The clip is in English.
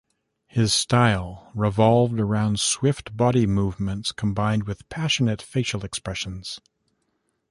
His style revolved around swift body movements combined with passionate facial expressions.